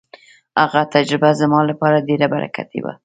هغه تجربه زما لپاره ډېره برکتي وه.